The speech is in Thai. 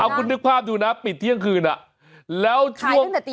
เอาคุณนึกภาพดูนะปิดเที่ยงคืนแล้วช่วง